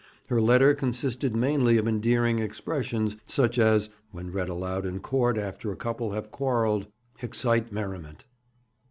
Her letter consisted mainly of endearing expressions, such as, when read aloud in court after a couple have quarrelled, excite merriment.